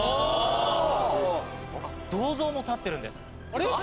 銅像も立ってるんです。